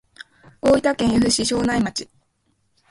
大分県由布市庄内町